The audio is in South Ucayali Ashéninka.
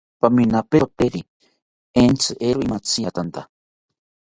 Paminaperoteri entzi, eero imantziatanta